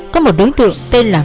có một đối tượng tên là